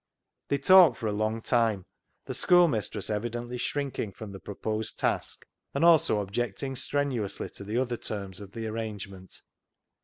They talked for a long time, the schoolmis tress evidently shrinking from the proposed task, and also objecting strenuously to the other terms of the arrangement.